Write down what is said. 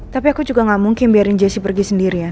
tapi aku juga ga mungkin biarin jessy pergi sendirian